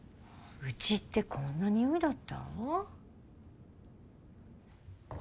うちってこんなにおいだった？